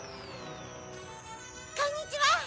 ・こんにちは！